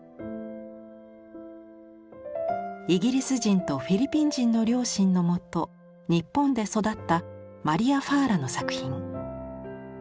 イギリス人とフィリピン人の両親のもと日本で育ったマリア・ファーラの作品。